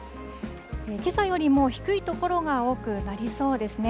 けさよりも低い所が多くなりそうですね。